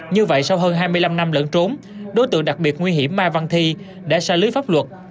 như vậy sau hơn hai mươi năm năm lẫn trốn đối tượng đặc biệt nguy hiểm mai văn thi đã xa lưới pháp luật